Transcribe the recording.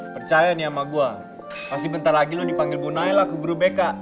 percaya nih sama gue pasti bentar lagi lo dipanggil bu naila ke grup bk